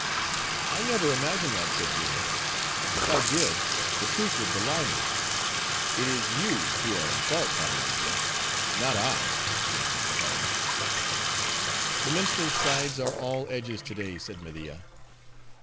"I never imagined that," said Yoomy, "and, if I did, the truth would belie me. It is you who are in fault, Babbalanja; not I, craving your pardon." "The minstrel's sides are all edges to day," said Media.